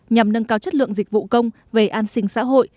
nhằm nâng cao chất lượng dịch vụ công về an sinh xã hội